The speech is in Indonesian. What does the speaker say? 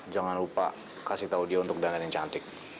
jangan lupa kasih tau dia untuk dangan yang cantik